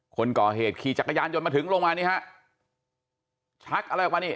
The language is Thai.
คนก่อเหตุขี่จักรยานยนต์มาถึงลงมานี่ฮะชักอะไรออกมานี่